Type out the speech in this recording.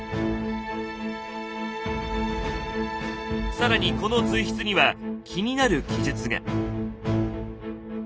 更にこの随筆には気になる記述が。